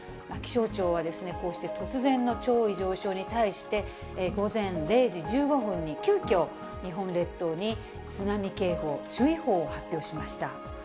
気象庁はですね、こうして突然の潮位上昇に対して、午前０時１５分に、急きょ、日本列島に津波警報、注意報を発表しました。